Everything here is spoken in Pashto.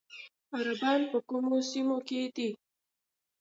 عربان په کومو سیمو کې دي؟